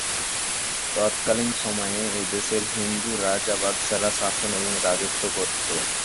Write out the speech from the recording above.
তৎকালীন সময়ে, এদেশে হিন্দু রাজা-বাদশারা শাসন এবং রাজত্ব করতো।